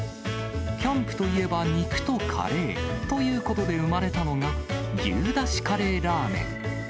キャンプといえば肉とカレーということで生まれたのが、牛だしカレーラーメン。